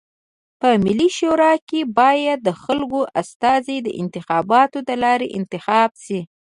په ملي شورا کي بايد د خلکو استازي د انتخاباتو د لاري انتخاب سی.